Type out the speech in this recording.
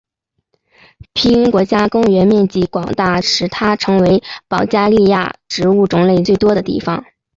皮林国家公园面积广大使得它成为保加利亚植物种类最多的地方。